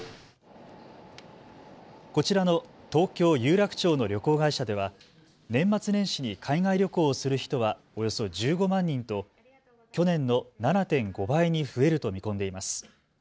こちらの東京有楽町の旅行会社では年末年始に海外旅行をする人はおよそ１５万人と去年の７．５倍に増えると見込んでいます。